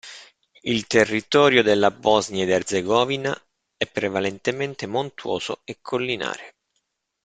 Il territorio della Bosnia ed Erzegovina è prevalentemente montuoso e collinare.